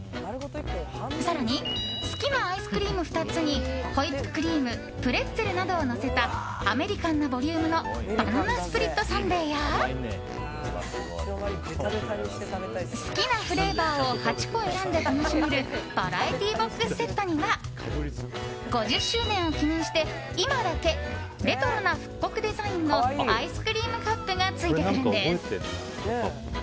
更に好きなアイスクリーム２つにホイップクリームプレッツェルなどをのせたアメリカンなボリュームのバナナスプリットサンデーや好きなフレーバーを８個選んで楽しめるバラエティボックスセットには５０周年を記念して、今だけレトロな復刻デザインのアイスクリームカップがついてくるんです！